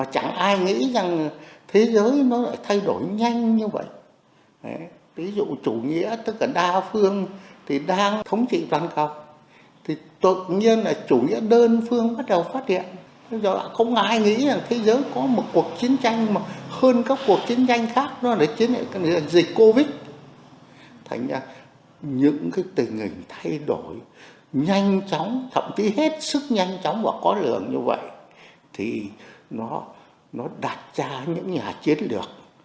thậm chí hết sức nhanh chóng và khó lường như vậy thì nó đặt ra những nhà chiến lược